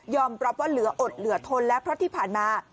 รับว่าเหลืออดเหลือทนแล้วเพราะที่ผ่านมา